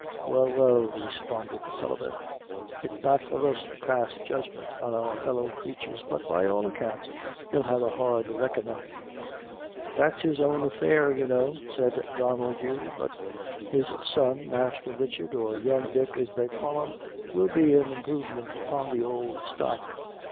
"Well, well," responded Sullivan, "it's not for us to pass judgment on our fellow creatures; but by all accounts he'll have a hard reckonin'." "That's his own affair, you know," said Donnel Dhu; "but his son, master Richard, or 'Young Dick,' as they call him, will be an improvement upon the ould stock."